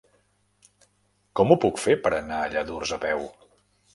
Com ho puc fer per anar a Lladurs a peu?